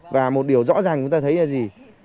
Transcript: và một điều rõ ràng chúng ta thấy là gì